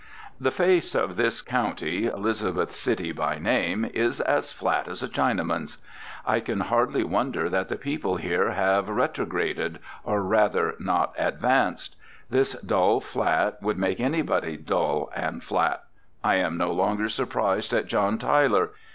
The face of this county, Elizabeth City by name, is as flat as a Chinaman's. I can hardly wonder that the people here have retrograded, or rather, not advanced. This dull flat would make anybody dull and flat. I am no longer surprised at John Tyler.